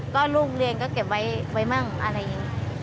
ก็รูปเลี้ยงเก็บไว้เมื่องอะไรอย่างนี้